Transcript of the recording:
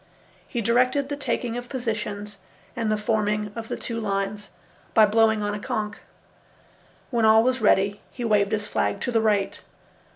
He directed the taking of positions and the forming of the two lines by blowing on a conch. When all was ready, he waved his flag to the right.